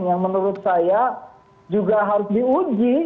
yang menurut saya juga harus diuji